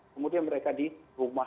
kemudian mereka di rumah